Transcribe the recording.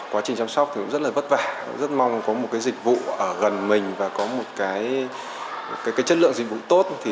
quá trình chăm sóc rất vất vả rất mong có một dịch vụ ở gần mình và có một chất lượng dịch vụ tốt